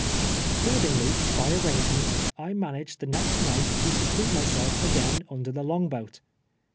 Accordingly, by arrangement, I managed the next night to secret myself again under the long boat.